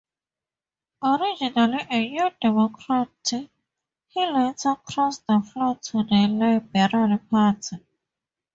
Originally a New Democrat, he later crossed the floor to the Liberal Party.